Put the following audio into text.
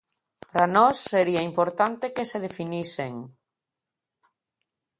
Para nós, sería importante que se definisen.